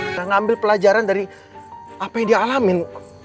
kita ngambil pelajaran dari apa yang dia alamin